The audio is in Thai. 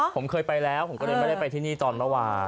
ผมเคยไปแล้วผมก็เลยไม่ได้ไปที่นี่ตอนเมื่อวาน